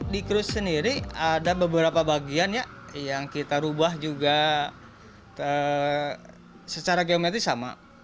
di kres sendiri ada beberapa bagian yang kita ubah juga secara geometri sama